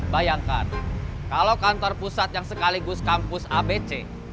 bayangkan kalau kantor pusat yang sekaligus kampus abc